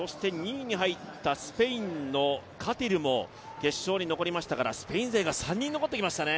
２位に入ったスペインのカティルも決勝に残りましたからスペイン勢が３人残ってきましたね。